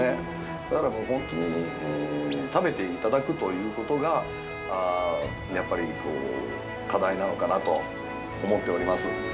だから、本当に食べていただくということがやっぱり課題なのかなと思っております。